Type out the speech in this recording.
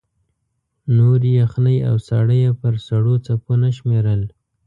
نورې یخنۍ او ساړه یې پر سړو څپو نه شمېرل.